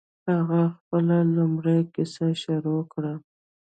هغه خپله لومړۍ کیسه شروع کړه.